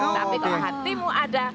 tapi kalau hatimu ada